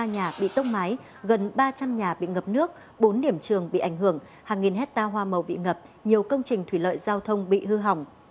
một trăm linh ba nhà bị tốc máy gần ba trăm linh nhà bị ngập nước bốn điểm trường bị ảnh hưởng hàng nghìn hecta hoa màu bị ngập nhiều công trình thủy lợi giao thông bị hư hỏng